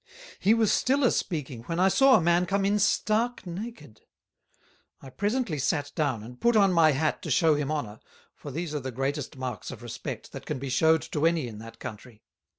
[Sidenote: Of Noses] He was still a speaking, when I saw a man come in stark Naked; I presently sat down and put on my Hat to shew him Honour, for these are the greatest Marks of Respect, that can be shew'd to any in that Country.